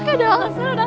oke dong seru dong